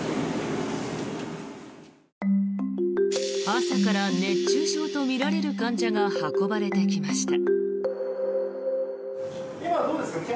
朝から熱中症とみられる患者が運ばれてきました。